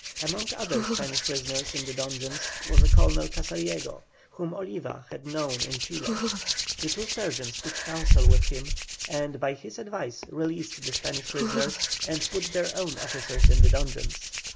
Among other Spanish prisoners in the dungeons, was a Colonel Casariego, whom Oliva had known in Chile; the two sergeants took counsel with him, and by his advice released the Spanish prisoners and put their own officers in the dungeons.